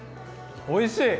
おいしい！